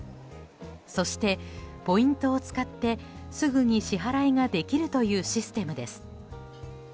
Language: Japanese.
そして、ポイントを使ってすぐに支払いができるというシステムです。